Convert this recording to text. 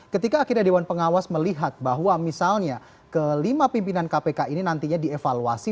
ketika akhirnya dewan pengawas melihat bahwa misalnya kelima pimpinan kpk ini nantinya dievaluasi